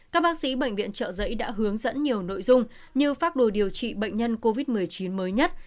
các bác sĩ bệnh viện trợ giấy đã hướng dẫn nhiều nội dung như pháp đồ điều trị bệnh nhân covid một mươi chín mới nhất